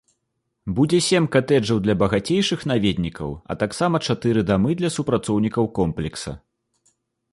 Будзе сем катэджаў для багацейшых наведнікаў, а таксама чатыры дамы для супрацоўнікаў комплекса.